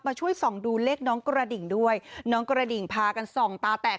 ช่วยส่องดูเลขน้องกระดิ่งด้วยน้องกระดิ่งพากันส่องตาแตก